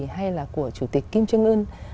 hay là của chủ tịch kim trương ưn